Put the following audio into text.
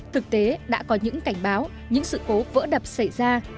thực tế đã có những cảnh báo những sự cố vỡ đập xảy ra